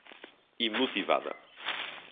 imotivada